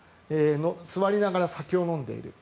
座りながら酒を飲んでいる。